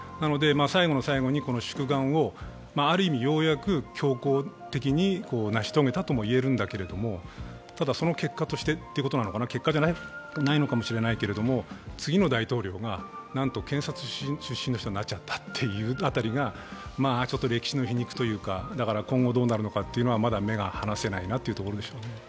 最後の最後にこの宿願をようやく、強行的に成し遂げたとも言えるんだけれども、その結果として、結果じゃないのかもしれないけれども、次の大統領がなんと検察出身の人になっちゃったというのが歴史の皮肉というか、今後どうなるのかはまだ目が離せないなというところでしょう。